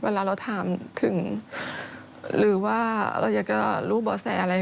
เวลาเราถามถึงหรือว่าเราอยากจะรู้บ่อแสอะไร